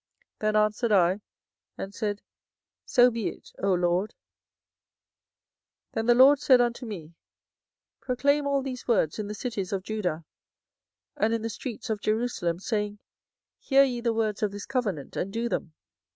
Then answered I, and said, So be it, O LORD. 24:011:006 Then the LORD said unto me, Proclaim all these words in the cities of Judah, and in the streets of Jerusalem, saying, Hear ye the words of this covenant, and do them.